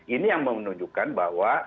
ini yang menunjukkan bahwa